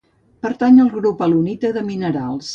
Pertany al grup alunita de minerals.